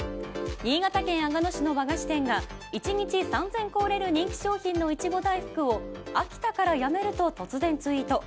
新潟県阿賀野市の和菓子店が１日３０００個売れる人気商品のイチゴ大福を飽きたからやめると突然ツイート。